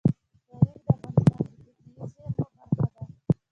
تاریخ د افغانستان د طبیعي زیرمو برخه ده.